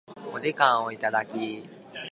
お時間をいただき